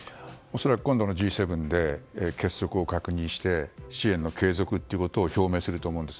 恐らく今度のＧ７で結束を確認して支援の継続ということを表明すると思うんです。